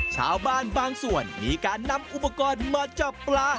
ชาวบ้านบางส่วนมีการนำอุปกรณ์มาจับปลา